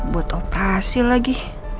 buat operasi lagi